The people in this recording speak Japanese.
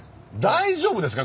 大丈夫ですか？